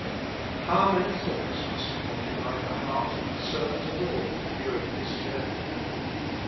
How many thoughts must have occupied the heart of the servant of the Lord during this journey!